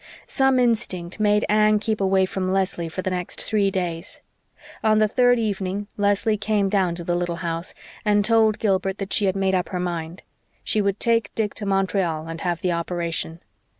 Some instinct made Anne keep away from Leslie for the next three days. On the third evening Leslie came down to the little house and told Gilbert that she had made up her mind; she would take Dick to Montreal and have the operation.